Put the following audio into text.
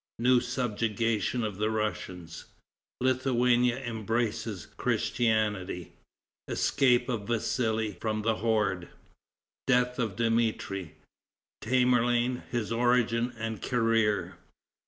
New Subjugation of the Russians. Lithuania Embraces Christianity. Escape of Vassali From the Horde. Death of Dmitri. Tamerlane His Origin and Career.